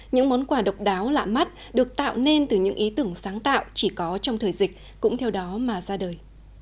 những món quà độc đáo lạ mắt được tạo nên từ những ý tưởng sáng tạo chỉ có trong thời dịch cũng theo đó mà ra đời